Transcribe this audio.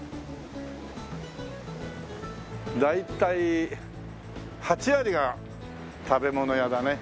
大体８割が食べ物屋だね。